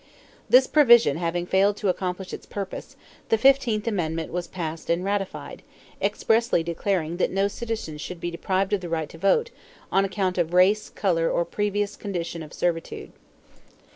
This provision having failed to accomplish its purpose, the fifteenth amendment was passed and ratified, expressly declaring that no citizen should be deprived of the right to vote "on account of race, color, or previous condition of servitude."